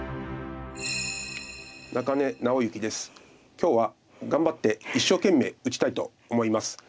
今日は頑張って一生懸命打ちたいと思います。